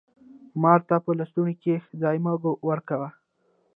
مار ته په لستوڼي کښي ځای مه ورکوه